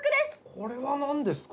これは何ですか？